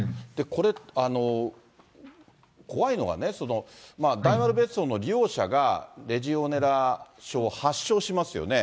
これ、怖いのはね、大丸別荘の利用者がレジオネラ症を発症しますよね。